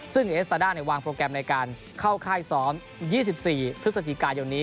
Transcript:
ซึ่งเอสตาด้าวางโปรแกรมในการเข้าค่ายซ้อม๒๔พฤศจิกายนนี้